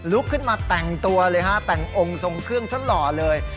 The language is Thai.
ลุกขึ้นมาแต่งตัวเลยฮะแต่งองค์ทรงเครื่องซะหล่อเลย